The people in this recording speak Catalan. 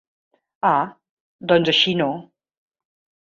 Ah, doncs així no...